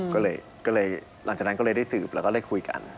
ก็เลยหลังจากนั้นก็เลยได้สืบแล้วก็ได้คุยกัน